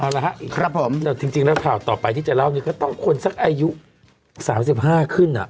เอาละครับผมแต่จริงแล้วข่าวต่อไปที่จะเล่านี้ก็ต้องคนสักอายุ๓๕ขึ้นอ่ะ